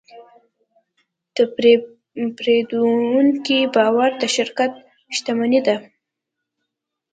د پیرودونکي باور د شرکت شتمني ده.